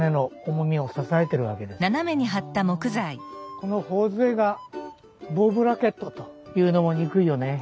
この頬杖がボウブラケットというのも憎いよねえ。